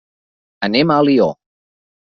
Anem a Alió.